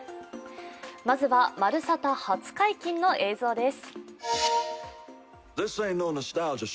まずは「まるサタ」初解禁の映像です。